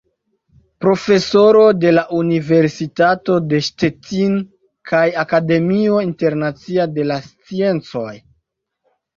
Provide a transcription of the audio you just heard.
Profesoro de la Universitato de Szczecin kaj Akademio Internacia de la Sciencoj.